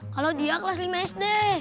kalau dia kelas lima sd